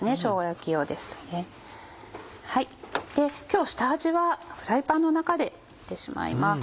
今日下味はフライパンの中でしてしまいます。